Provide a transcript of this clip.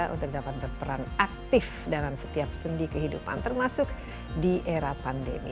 untuk dapat berperan aktif dalam setiap sendi kehidupan termasuk di era pandemi